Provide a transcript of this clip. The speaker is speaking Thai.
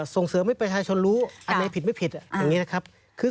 ส่งเสริมให้ประชาชนรู้อันไหนผิดไม่ผิดอย่างนี้นะครับ